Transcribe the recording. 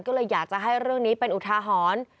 ก็เลยอยากจะให้เรื่องนี้เป็นอุทาหรณ์